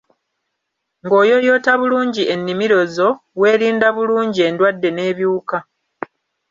Ng’oyooyoota bulungi ennimiro zo, weerinda bulungi endwadde n’ebiwuka.